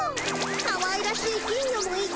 かわいらしい金魚もいて！